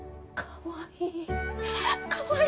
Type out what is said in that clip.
かわいい。